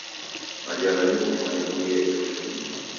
Majala nio ufwane kuluya icho kifumbi.